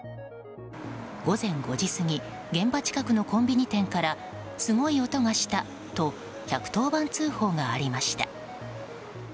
午前５時過ぎ現場近くのコンビニ店からすごい音がしたと１１０番通報がありました。